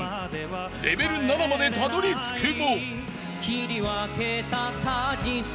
［レベル７までたどりつくも］